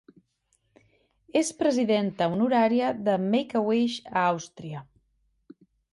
És presidenta honorària de Make-A-Wish a Àustria.